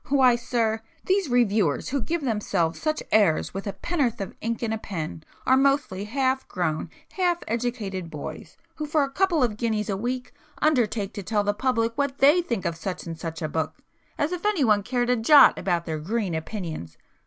Why sir, these reviewers who give themselves such airs with a pennorth of ink and a pen, are mostly half grown half educated boys who for a couple of guineas a week undertake to tell the public what they think of such and such a book, as if anyone cared a jot about their green opinions!